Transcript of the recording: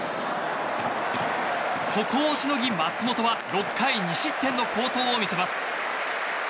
ここをしのぎ松本は６回２失点の好投を見せます。